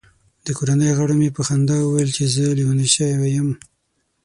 د کورنۍ غړو مې په خندا ویل چې زه لیونی شوی یم.